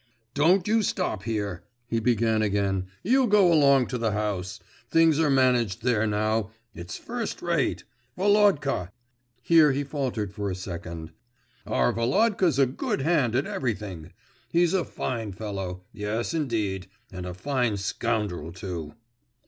'Don't you stop here,' he began again. 'You go along to the house. Things are managed there now it's first rate. Volodka'.… Here he faltered for a second. 'Our Volodka's a good hand at everything. He's a fine fellow! yes, indeed, and a fine scoundrel too!